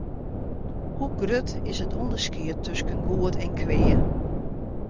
Hoe grut is it ûnderskied tusken goed en kwea?